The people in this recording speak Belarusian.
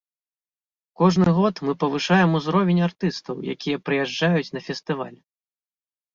Кожны год мы павышаем ўзровень артыстаў, якія прыязджаюць на фестываль.